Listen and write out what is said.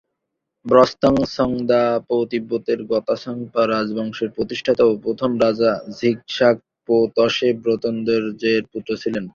ব্স্তান-স্রুং-দ্বাং-পো তিব্বতের গ্ত্সাং-পা রাজবংশের প্রতিষ্ঠাতা ও প্রথম রাজা ঝিগ-শাগ-পা-ত্শে-ব্র্তান-র্দো-র্জের পুত্র ছিলেন।